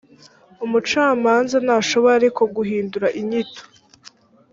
umucamanza ntashobora ariko guhindura inyito